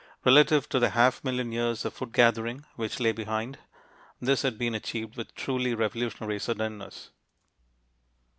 Relative to the half million years of food gathering which lay behind, this had been achieved with truly revolutionary suddenness.